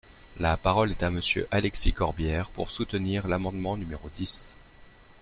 La parole est à Monsieur Alexis Corbière, pour soutenir l’amendement numéro dix.